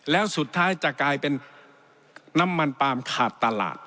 แล้วสุดท้ายจะกลายเป็นน้ำมันปาล์มขาดตลาด